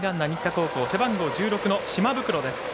背番号１６の島袋です。